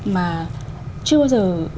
mà chưa bao giờ